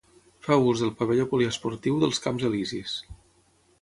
Fa ús del pavelló poliesportiu dels Camps Elisis.